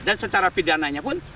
dan secara pidananya pun